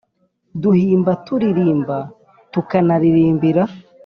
Duhimba turirimba tukanarimbira